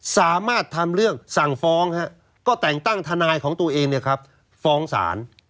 สามารถทำเรื่องสั่งฟ้องฮะก็แต่งตั้งทนายของตัวเองเนี่ยครับฟ้องสาร